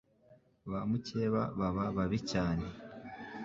Ba Mukeba baba babi cyane